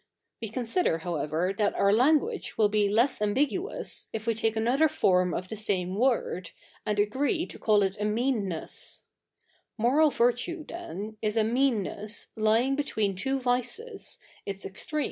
We consider, however, that our la7iguage will be less a/nbiguous, if we take a7iother for77i of the sa77ie wo7'd, and agree to call it a 7nean7iess, Moral virtue^ then, is a 77iean7iess lyi7ig betiveen two vices, its ext> e?